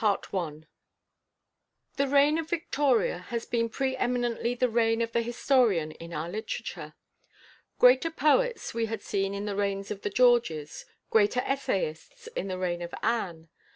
CHAPTER III The Historians The reign of Victoria has been pre eminently the reign of the historian in our literature. Greater poets we had seen in the reigns of the Georges, greater essayists in the reign of Anne.